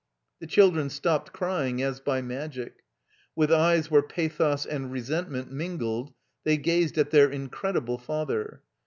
The children stopped crying as by magic. 'VWth eyes where pathos and resentment mingled they gazed at their incredible father.